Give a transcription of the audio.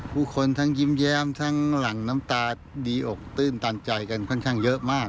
ผู้คนทั้งยิ้มแย้มทั้งหลั่งน้ำตาดีอกตื้นตันใจกันค่อนข้างเยอะมาก